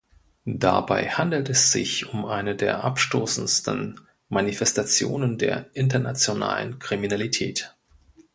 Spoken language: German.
Dabei handelt es sich um eine der abstoßendsten Manifestationen der internationalen Kriminalität.